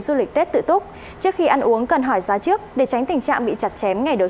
du lịch tết tự túc trước khi ăn uống cần hỏi giá trước để tránh tình trạng bị chặt chém ngày đầu